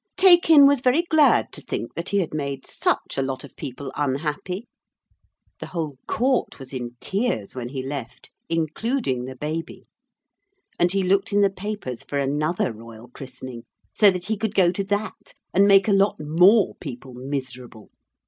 Taykin was very glad to think that he had made such a lot of people unhappy the whole Court was in tears when he left, including the baby and he looked in the papers for another royal christening, so that he could go to that and make a lot more people miserable.